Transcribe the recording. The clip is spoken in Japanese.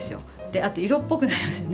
あと色っぽくなりますよね。